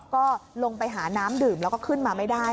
ก็ลงไปหาน้ำดื่มแล้วก็ขึ้นมาไม่ได้